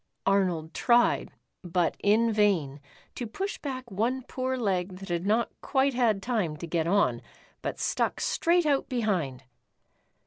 Arnold tried, but in vain, to push back one poor leg that had not quite had time to get on, but stuck straight out behind.